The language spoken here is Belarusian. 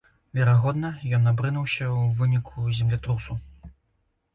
Верагодна, ён абрынуўся ў выніку землятрусу.